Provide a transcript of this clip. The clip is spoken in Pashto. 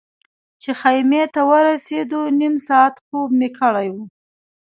چې خیمې ته ورسېدو نیم ساعت خوب مې کړی و.